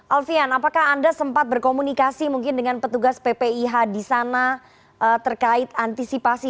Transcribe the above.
alfian apakah anda sempat berkomunikasi mungkin dengan petugas ppih di sana terkait antisipasi